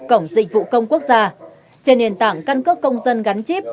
cổng dịch vụ công quốc gia trên nền tảng căn cước công dân gắn chip